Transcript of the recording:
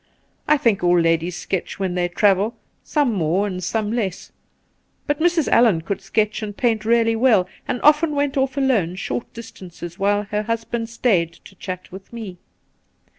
I think all ladies sketch when they travel, some more and some less. But Mrs. Allan could sketch and paint really well, and often went off alone short distances while her husband stayed to chat with me.